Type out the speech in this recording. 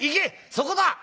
そこだ！